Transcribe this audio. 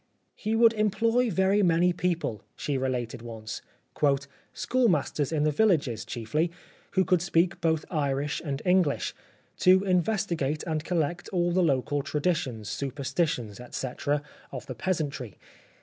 "He would employ very many people,' she related once, "schoolmasters in the villages chiefly who could speak both Irish and Enghsh, to investigate and collect all the local traditions, superstitions, etc., of the peasantry.